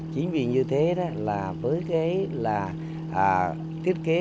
chính vì như thế là với cái là thiết kế